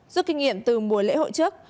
giúp kinh nghiệm từ mùa lễ hội trước